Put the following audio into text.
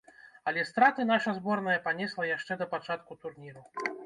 Але страты наша зборная панесла яшчэ да пачатку турніру.